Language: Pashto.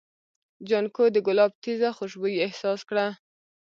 جانکو د ګلاب تېزه خوشبويي احساس کړه.